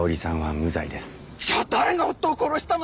じゃあ誰が夫を殺したのよ？